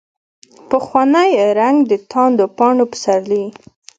پخوانی رنګ، دتاندو پاڼو پسرلي